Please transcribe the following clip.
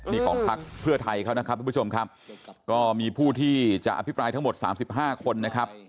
นี่ของพักเพื่อไทยเขานะครับทุกผู้ชมครับก็มีผู้ที่จะอภิปรายทั้งหมด๓๕คนนะครับ